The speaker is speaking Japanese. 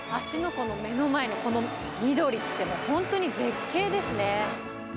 湖の目の前のこの緑が本当に絶景ですね。